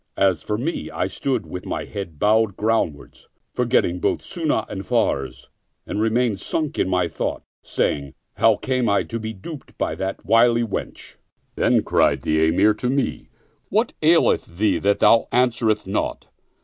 As for me, I stood, with my head bowed ground wards, forgetting both Sunnah and Farz, and remained sunk in thought, saying, "How came I to be the dupe of that wily wench?" Then cried the Emir to me, "What aileth thee that thou answerest not?"